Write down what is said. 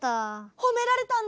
ほめられたんだ！